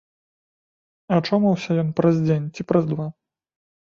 Ачомаўся ён праз дзень ці праз два.